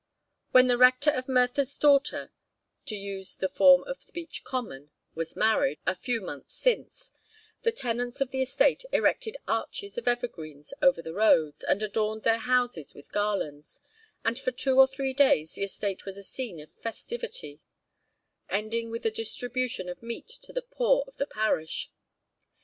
When the Rector of Merthyr's daughter (to use the form of speech common) was married, a few months since, the tenants of the estate erected arches of evergreens over the roads, and adorned their houses with garlands, and for two or three days the estate was a scene of festivity, ending with the distribution of meat to the poor of the parish.